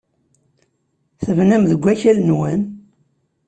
Tebnam deg wakal-nwen?